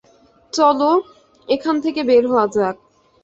চলো, এখান থেকে বের হওয়া যাক।